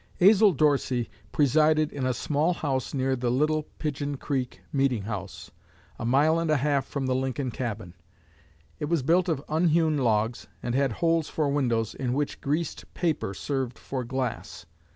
"Azel Dorsey presided in a small house near the Little Pigeon Creek meeting house, a mile and a half from the Lincoln cabin. It was built of unhewn logs, and had holes for windows, in which greased paper served for glass.